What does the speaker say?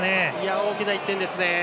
大きな１点ですね。